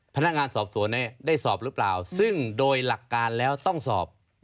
พนักงานสอบสวนได้สอบหรือเปล่าซึ่งโดยหลักการแล้วต้องสอบ